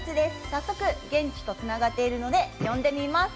早速現地とつながっているので呼んでみます。